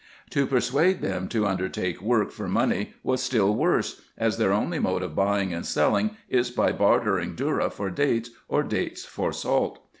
To persuade them to undertake work for money was still worse, as their only mode of buying and selling is by bartering dhourra for dates, or dates for salt.